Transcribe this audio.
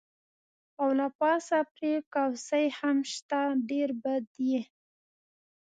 او له پاسه پرې کوسۍ هم شته، ډېر بد یې.